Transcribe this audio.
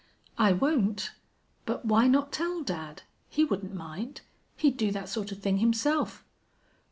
"I won't. But why not tell dad? He wouldn't mind. He'd do that sort of thing himself."